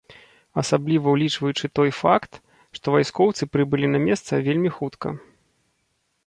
Асабліва ўлічваючы той факт, што вайскоўцы прыбылі на месца вельмі хутка.